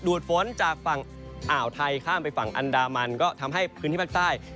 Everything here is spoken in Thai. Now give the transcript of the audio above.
ฝนจากฝั่งอ่าวไทยข้ามไปฝั่งอันดามันก็ทำให้พื้นที่ภาคใต้